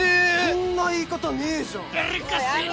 そんな言い方ねえじゃん